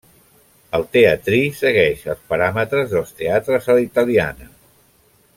El teatrí segueix els paràmetres dels teatres a la italiana.